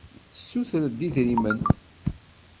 Tessuter-d idrimen.